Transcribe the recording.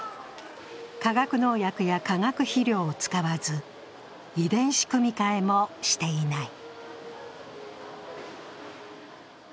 化学農薬や化学肥料を使わず、遺伝子組み換えもしていない。